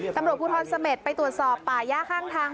ตำรวจภูทรเสม็ดไปตรวจสอบป่าย่าข้างทาง